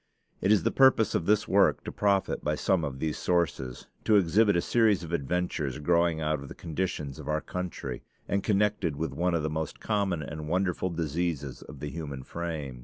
It is the purpose of this work to profit by some of these sources, to exhibit a series of adventures growing out of the conditions of our country, and connected with one of the most common and wonderful diseases of the human frame.